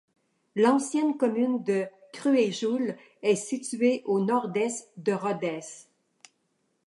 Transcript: L'ancienne commune de Cruéjouls est située au nord-est de Rodez.